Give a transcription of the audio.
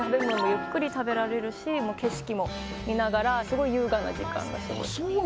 ゆっくり食べられるしもう景色も見ながらすごい優雅な時間が過ごせます